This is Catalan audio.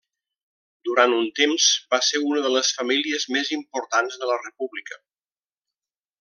Durant un temps van ser una de les famílies més importants de la República.